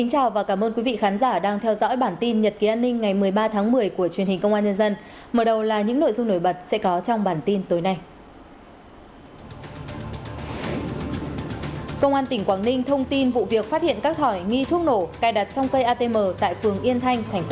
hãy đăng ký kênh để ủng hộ kênh của chúng mình nhé